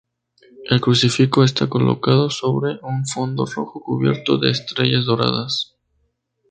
El crucifijo está colocado sobre un fondo rojo cubierto de estrellas doradas.